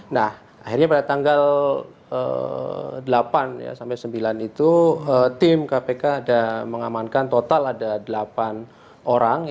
nah akhirnya pada tanggal delapan ya sampai sembilan itu tim kpk ada mengamankan total ada delapan orang